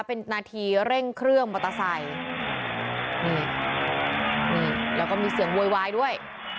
เป็นนาทีเร่งเครื่องมอเตอร์ไซค์นี่นี่แล้วก็มีเสียงโวยวายด้วย